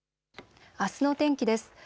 あすの天気です。